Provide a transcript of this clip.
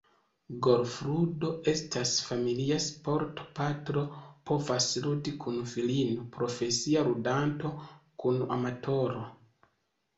Golfludo estas familia sporto – patro povas ludi kun filino, profesia ludanto kun amatoro.